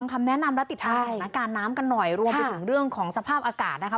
คำแนะนำและติดตามสถานการณ์น้ำกันหน่อยรวมไปถึงเรื่องของสภาพอากาศนะคะ